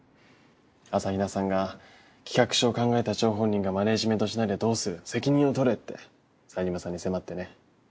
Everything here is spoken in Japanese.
朝比奈さんが企画書を考えた張本人がマネージメントしないでどうする責任を取れって冴島さんに迫ってね。